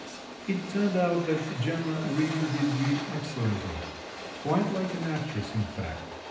It turned out that Gemma really did read excellently—quite like an actress in fact.